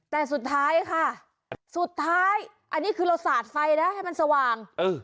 แต่สุดท้ายค่ะสุดท้ายอันนี้คือเราสาดไฟนะให้มันสว่าง